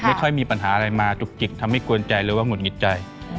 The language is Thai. ไม่ค่อยมีปัญหาอะไรมาจุกจิกทำให้กวนใจหรือว่าหุดหงิดใจ